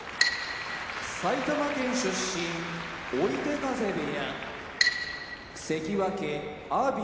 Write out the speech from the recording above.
埼玉県出身追手風部屋関脇・阿炎